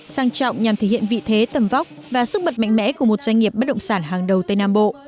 sang trọng nhằm thể hiện vị thế tầm vóc và sức mật mạnh mẽ của một doanh nghiệp bất động sản hàng đầu tây nam bộ